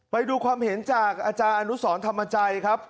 ไปดูความเห็นจากอาจารย์อนุสรธรรมจัยครับ